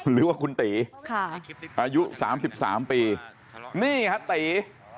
หรือว่าคุณตีค่ะอายุสามสิบสามปีนี่ฮะตี